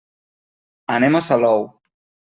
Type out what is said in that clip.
Anem a Salou.